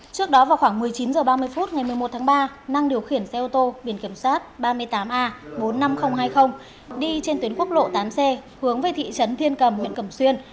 trước đó vào khoảng một mươi chín h ba mươi phút ngày một mươi một tháng ba năng điều khiển xe ô tô biển kiểm soát ba mươi tám a bốn mươi năm nghìn hai mươi đi trên tuyến quốc lộ tám c hướng về thị trấn thiên cầm huyện cầm xuyên